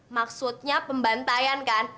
maksudnya pembantaian kan